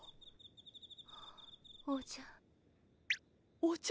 おじゃ。